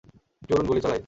চলুন গুলি চালাই!